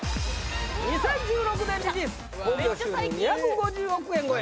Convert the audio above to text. ２０１６年リリース興行収入２５０億円超え！